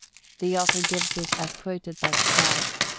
The author gives it as quoted by Stroud, p.